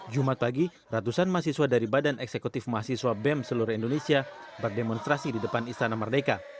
jumat pagi ratusan mahasiswa dari badan eksekutif mahasiswa bem seluruh indonesia berdemonstrasi di depan istana merdeka